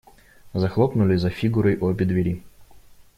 Захлопнули за Фигурой обе двери.